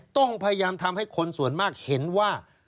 ต้องพยายามทำให้คนส่วนมากเห็นว่า